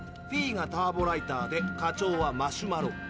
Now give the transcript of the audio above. フィーが「ターボライター」で課長は「マシュマロ」。